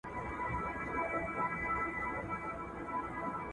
دې سړي خپل ټول پلان په ډېر دقت جوړ کړی و.